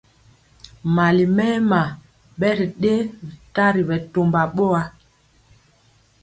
Mali mɛma bɛ ri dɛyɛ tari bɛ tɔmba boa.